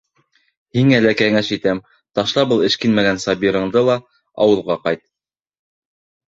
Һиңә лә кәңәш итәм: ташла был эшкинмәгән Сабирыңды ла, ауылға ҡайт.